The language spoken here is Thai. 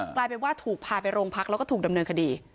กลายเป็นว่าถูกพาไปโรงพักแล้วก็ถูกดำเนินคดี